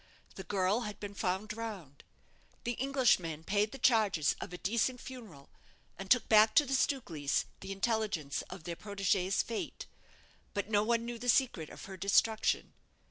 The girl had been found drowned. The Englishman paid the charges of a decent funeral, and took back to the Stukelys the intelligence of their protégée's fate; but no one knew the secret of her destruction.